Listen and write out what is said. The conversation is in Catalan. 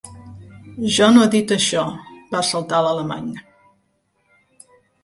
Jo no he dit això —va saltar l'alemany—.